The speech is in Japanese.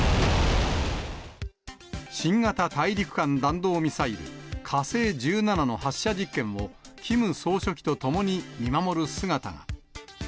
新型大陸間弾道ミサイル、火星１７の発射実験を、キム総書記と共に見守る姿が。